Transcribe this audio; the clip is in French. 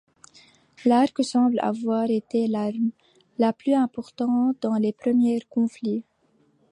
L'arc semble avoir été l'arme la plus importante dans les premiers conflits.